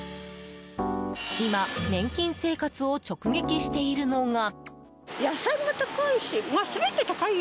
今、年金生活を直撃しているのが。